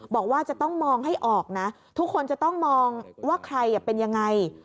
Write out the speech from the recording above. บอกว่าจะต้องมองให้ออกนะทุกคนจะต้องมองว่าใครเป็นยังไง